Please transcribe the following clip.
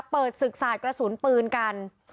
เปิดศึกสาดกระสุนปืนกัน